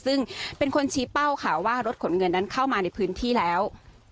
ซึ่งเป็นคนชี้เป้าค่ะว่ารถขนเงินนั้นเข้ามาในพื้นที่แล้ว